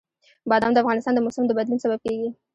بادام د افغانستان د موسم د بدلون سبب کېږي.